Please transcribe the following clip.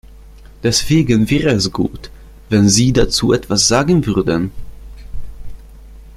Deswegen wäre es gut, wenn Sie dazu etwas sagen würden.